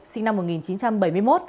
sinh năm một nghìn chín trăm bảy mươi một